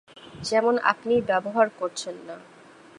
যেমন আপনি ব্যবহার করছেন না।